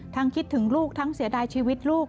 คิดถึงลูกทั้งเสียดายชีวิตลูก